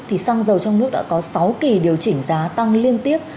thì xăng dầu trong nước đã có sáu kỳ điều chỉnh giá tăng liên tiếp